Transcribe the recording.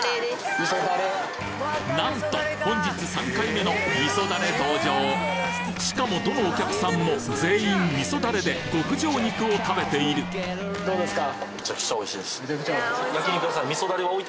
なんと本日３回目の味噌ダレ登場しかもどのお客さんも全員味噌ダレで極上肉を食べているどうですか？